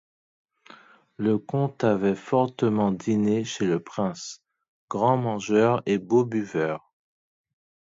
Le comte avait fortement dîné chez le prince, grand mangeur et beau buveur.